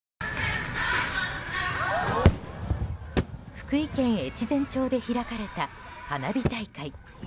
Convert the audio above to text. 福井県越前町で開かれた花火大会。